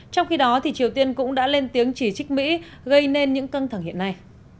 trong khi đó triều tiên cũng đã lên tiếng chỉ trích mỹ gây nên những căng thẳng hiện nay